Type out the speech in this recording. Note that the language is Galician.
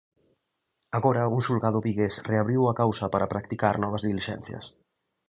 Agora un xulgado vigués reabriu a causa para practicar novas dilixencias.